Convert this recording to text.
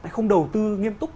không đầu tư nghiêm túc